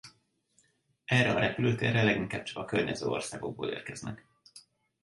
Erre a repülőtérre leginkább csak a környező országokból érkeznek.